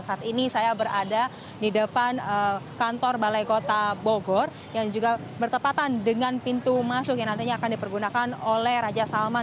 saat ini saya berada di depan kantor balai kota bogor yang juga bertepatan dengan pintu masuk yang nantinya akan dipergunakan oleh raja salman